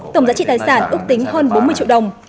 tổng giá trị tài sản ước tính hơn bốn mươi triệu đồng